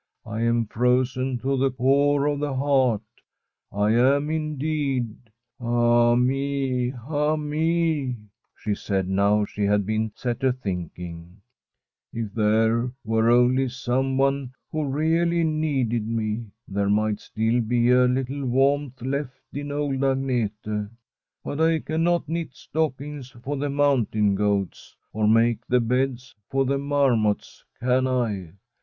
I am frozen to the core of the heart, I am indeed. Ah me I ah me I ' she said, now she had been set a thinking ;' if there were only someone who really needed me, there might still be a little warmth left in old Agnete. But I cannot knit stockings for the mountain goats, or make the beds for the marmots, can I?